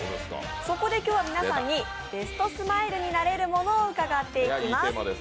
そこで今日は皆さんにベストスマイルになれるのものを伺っていきます。